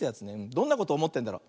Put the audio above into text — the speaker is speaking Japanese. どんなことおもってんだろう。